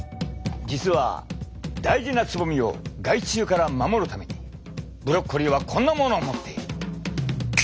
実は大事なつぼみを害虫から守るためにブロッコリーはこんなものを持っている。